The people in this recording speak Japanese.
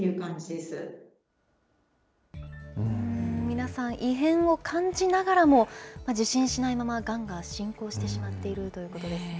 皆さん、異変を感じながらも、受診しないまま、がんが進行してしまっているということですね。